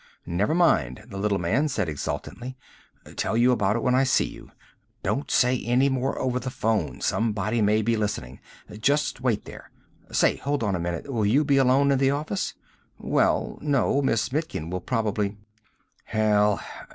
"Never mind," the little man said exultantly. "Tell you about it when I see you. Don't say any more over the phone somebody may be listening. Just wait there. Say, hold on a minute. Will you be alone in the office?" "Well, no. Miss Mitkin will probably " "Hell.